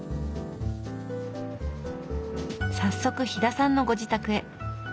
早速飛田さんのご自宅へ。